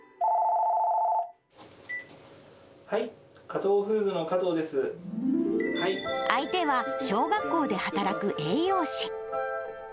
はい、相手は小学校で働く栄養士。